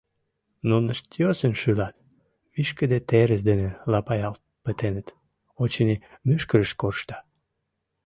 Нунышт йӧсын шӱлат, вишкыде терыс дене лапаялт пытеныт, очыни, мӱшкырышт коршта.